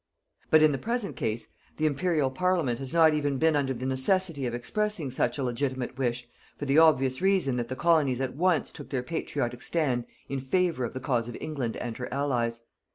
But, in the present case, the Imperial Parliament has not even been under the necessity of expressing such a legitimate wish, for the obvious reason that the colonies at once took their patriotic stand in favor of the cause of England and her Allies.